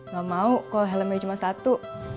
gak mau kok helmnya cuma satu